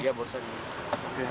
iya barusan ini